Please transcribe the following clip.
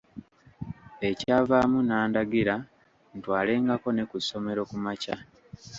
Ekyavaamu n'andagira ntwalengako ne ku ssomero kumakya.